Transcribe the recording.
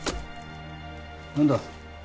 何だ？